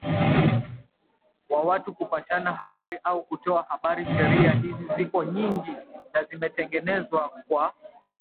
wa watu kupashana habari au kutoa habari sheria hizi ziko nyingi na zimetengenezwa kwa